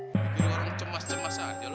bikin orang cemas cemas aja lu